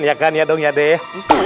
ya kan ya dong ya deh